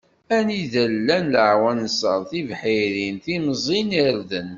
Anida i llan laɛwanṣer, tibḥirin, timẓin, irden.